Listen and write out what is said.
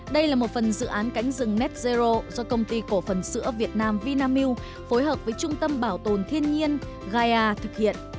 đây là một phần dự án cánh rừng net zero do công ty cổ phần sữa việt nam vinamilk phối hợp với trung tâm bảo tồn thiên nhiên gai thực hiện